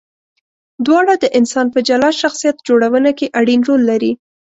دواړه د انسان په جلا شخصیت جوړونه کې اړین رول لري.